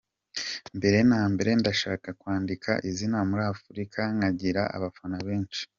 Mbere na mbere ndashaka kwandika izina muri Afurika, nkagira abafana benshi.